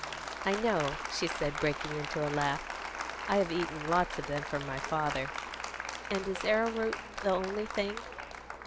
"I know," she said, breaking into a laugh. "I have eaten lots of them for my father. And is arrowroot the only thing?"